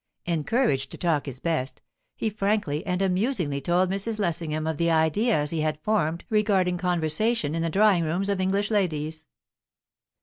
Encouraged to talk his best, he frankly and amusingly told Mrs. Lessingham of the ideas he had formed regarding conversation in the drawing rooms of English ladies.